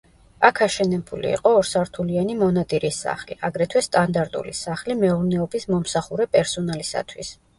აქ აშენებული იყო ორსართულიანი მონადირის სახლი, აგრეთვე სტანდარტული სახლი მეურნეობის მომსახურე პერსონალისათვის.